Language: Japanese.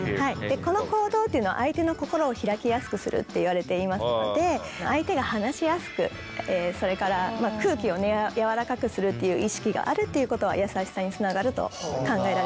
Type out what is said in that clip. この行動っていうのは相手の心を開きやすくするっていわれていますので相手が話しやすくそれから空気をやわらかくするっていう意識があるっていうことは優しさにつながると考えられます。